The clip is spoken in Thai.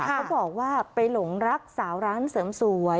เขาบอกว่าไปหลงรักสาวร้านเสริมสวย